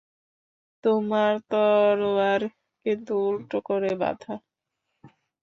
তোমার তরোয়ার কিন্তু উল্টো করে বাঁধা।